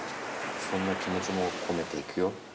そんな気持ちも込めていくよ。